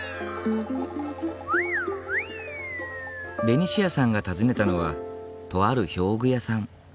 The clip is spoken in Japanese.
ベニシアさんが訪ねたのはとある表具屋さん。